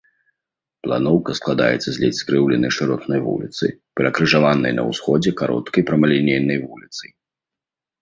Планоўка складаецца з ледзь скрыўленай шыротнай вуліцы, перакрыжаванай на ўсходзе кароткай прамалінейнай вуліцай.